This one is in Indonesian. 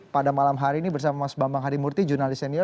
pada malam hari ini bersama mas bambang harimurti jurnalis senior